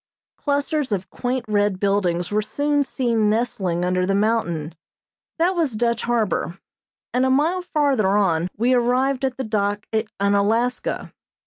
Clusters of quaint red buildings were soon seen nestling under the mountain that was Dutch Harbor, and a mile farther on we arrived at the dock at Unalaska.